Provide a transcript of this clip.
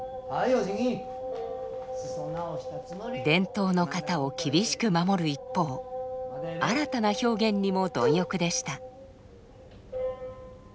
伝統の形を厳しく守る一方新たな表現にも貪欲でした。